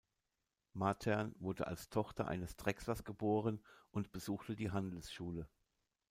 Matern wurde als Tochter eines Drechslers geboren und besuchte die Handelsschule.